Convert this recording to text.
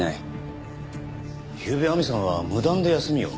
ゆうべ亜美さんは無断で休みを？